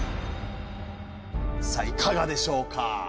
さあいかがでしょうか？